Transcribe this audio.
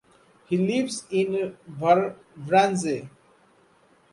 He lives in Vranje.